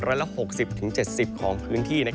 ละ๖๐๗๐ของพื้นที่